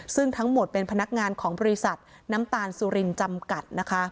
ซึ่งทั้งหมดเป็นพนักงานของบริษัทน้ำตาลสุรินจำกัดนะคะ